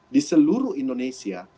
di seluruh indonesia